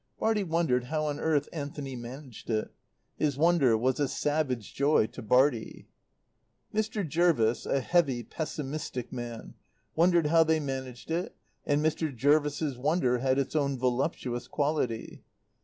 Bartie wondered how on earth Anthony managed it. His wonder was a savage joy to Bartie. Mr. Jervis, a heavy, pessimistic man, wondered how they managed it, and Mr. Jervis's wonder had its own voluptuous quality.